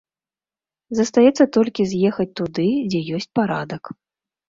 Застаецца толькі з'ехаць туды, дзе ёсць парадак.